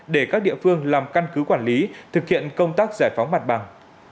để các địa phương làm căn cứ quản lý thực hiện công tác giải phóng mặt bằng